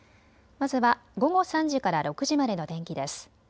まずは午後３時から６時までの天気です。